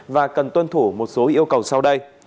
và cần tuân thủ một số yêu cầu sau đây